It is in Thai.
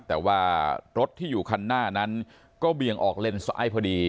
แต่ว่ารถที่อยู่คันหน้านั้นก็เบี่ยงออกเลนซ้ายพอดี